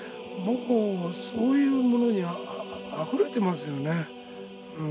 そういうものにあふれてますよね。